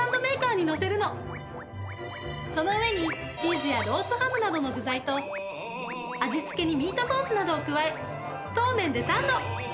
その上にチーズやロースハムなどの具材と味付けにミートソースなどを加えそうめんでサンド。